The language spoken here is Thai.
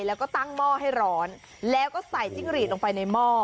แล้วก็ตั้งหม้อให้ร้อนแล้วก็ใส่จิ้งหรีดลงไปในหม้อ